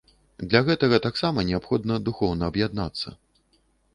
Для гэтага таксама неабходна духоўна аб'яднацца.